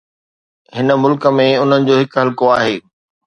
هن ملڪ ۾ انهن جو هڪ حلقو آهي.